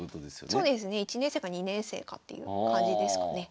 そうですね１年生か２年生かっていう感じですかね。